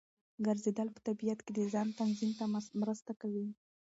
ګرځېدل په طبیعت کې د ځان تنظیم ته مرسته کوي.